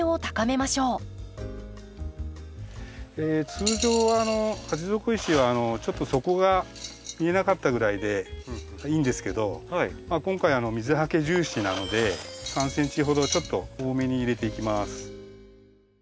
通常鉢底石はちょっと底が見えなかったぐらいでいいんですけど今回水はけ重視なので３ｃｍほどちょっと多めに入れていきます。